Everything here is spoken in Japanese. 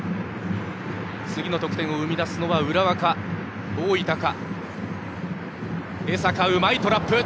次の得点を生み出すのは浦和か、大分か。